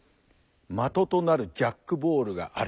的となるジャックボールがある。